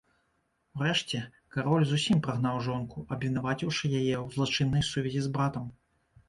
Урэшце, кароль зусім прагнаў жонку, абвінаваціўшы яе ў злачыннай сувязі з братам.